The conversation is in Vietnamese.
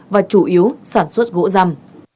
và chủ yếu sản xuất gỗ răm